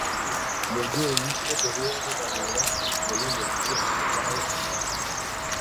Umubyeyi n'umuhungu bareba ikintu mugihe batwaye igare